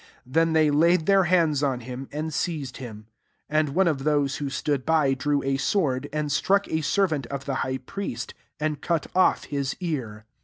46 Then they laid their hands on him, and seized him. 47 And one of those who stood by drew a sword, and struck a servant of the high priest, and cut off his ear.